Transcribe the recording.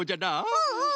うんうん。